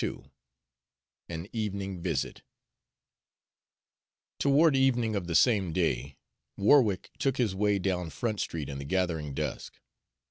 II AN EVENING VISIT Toward evening of the same day, Warwick took his way down Front Street in the gathering dusk.